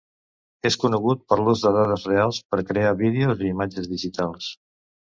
És conegut per l'ús de dades reals per crear vídeos i imatges digitals.